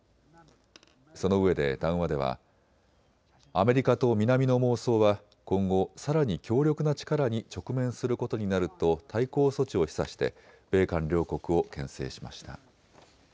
そのうえで談話ではアメリカと南の妄想は今後さらに強力な力に直面することになると対抗措置を示唆して米韓両国をけん制しました。